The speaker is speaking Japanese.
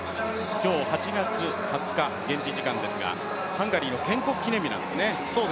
今日８月２０日、現地時間ですがハンガリーの建国記念日なんですね。